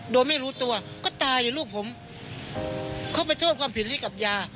โดยไม่รู้ตัวก็ตายอยู่ลูกผมเข้าไปโทษความผิดให้กับยา